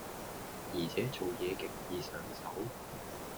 而且做嘢極易上手